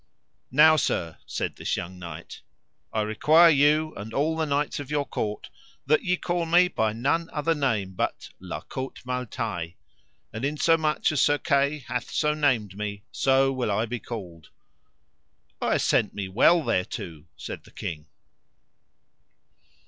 Now Sir, said this young knight, I require you and all the knights of your court, that ye call me by none other name but La Cote Male Taile: in so much as Sir Kay hath so named me so will I be called. I assent me well thereto, said the king.